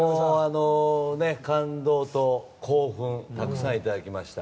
感動と興奮たくさんいただきました。